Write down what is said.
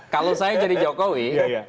kalau saya jadi jokowi